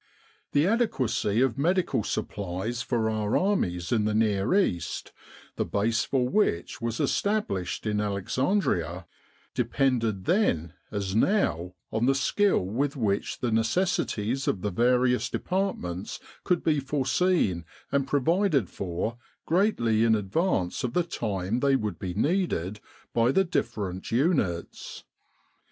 The adequacy of medical supplies for our armies in the Near East, the base for which was established in Alexandria, depended then as now on the skill with which the necessities of the various departments could be foreseen and provided for greatly in advance of the time they would be needed by the different units.